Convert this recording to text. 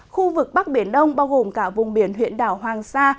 khu vực bắc biển đông bao gồm cả vùng biển huyện đảo hoàng sa